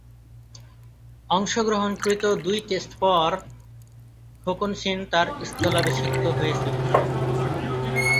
অংশগ্রহণকৃত দুই টেস্ট পর খোকন সেন তার স্থলাভিষিক্ত হয়েছিলেন।